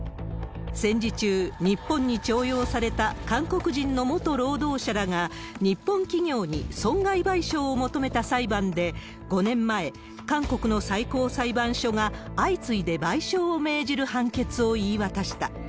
戦時中、日本に徴用された韓国人の元労働者らが日本企業に損害賠償を求めた裁判で、５年前、韓国の最高裁判所が相次いで賠償を命じる判決を言い渡した。